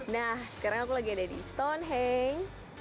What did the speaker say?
nah sekarang aku lagi ada di stonehenge